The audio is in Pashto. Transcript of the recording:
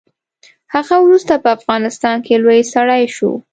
هغه وروسته په افغانستان کې لوی سړی شو.